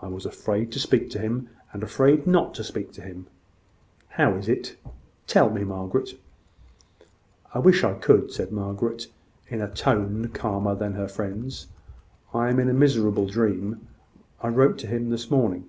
I was afraid to speak to him, and afraid not to speak to him. How is it? tell me, Margaret." "I wish I could," said Margaret, in a tone calmer than her friend's. "I am in a miserable dream. I wrote to him this morning."